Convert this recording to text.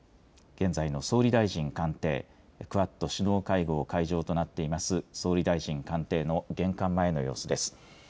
現在の総理大臣官邸、クアッド首脳会合会場となっています、総理大臣官邸の玄関前の様子です。